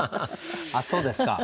あっそうですか。